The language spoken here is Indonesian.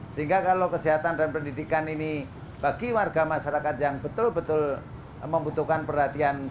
sehingga kalau kesehatan dan pendidikan ini bagi warga masyarakat yang betul betul membutuhkan perhatian